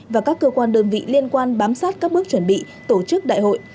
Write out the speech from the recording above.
và các cơ quan đơn vị liên quan bám sát các bước chuẩn bị tổ chức đại hội